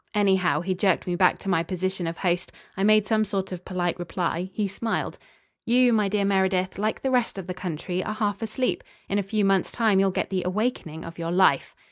Anyhow, he jerked me back to my position of host. I made some sort of polite reply. He smiled. "You, my dear Meredyth, like the rest of the country, are half asleep. In a few months' time you'll get the awakening of your life."